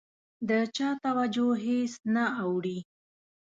د چا توجه هېڅ نه اوړي.